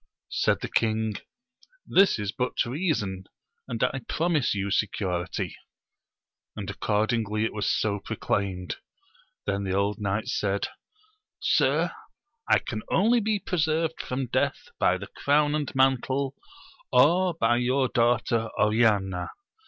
Said the king, this is but reason, and I promise you security ; and accordingly it was so proclaimed. Then the old knight said, Sir, I can only be preserved from death by the crown and mantle, or by your daughter Oriana